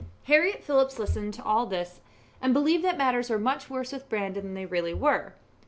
Harriett Phillips listened to all this, and believed that matters were much worse with Brandon than they really were.